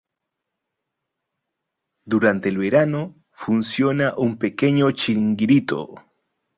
Durante el verano, funciona un pequeño chiringuito.